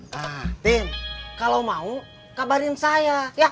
nah tin kalau mau kabarin saya ya